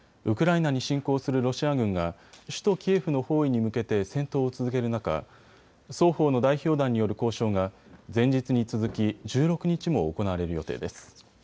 ウクライナに侵攻するロシア軍が首都キエフの包囲に向けて戦闘を続ける中、双方の代表団による交渉が前日に続き１６日も行われる予定です。